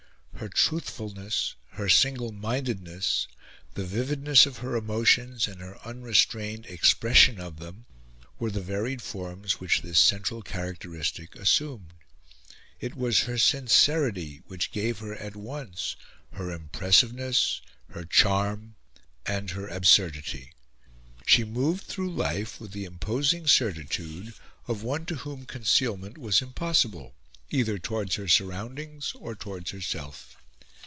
Her truthfulness, her single mindedness, the vividness of her emotions and her unrestrained expression of them, were the varied forms which this central characteristic assumed. It was her sincerity which gave her at once her impressiveness, her charm, and her absurdity. She moved through life with the imposing certitude of one to whom concealment was impossible either towards her surroundings or towards herself.